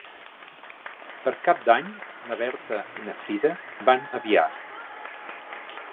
Per Cap d'Any na Berta i na Frida van a Biar.